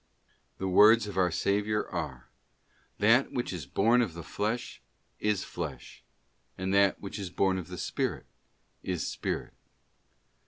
The words of our Saviour are: ' That which is born of the flesh is flesh; and that which is born of the Spirit is spirit.